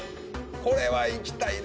これはいきたいね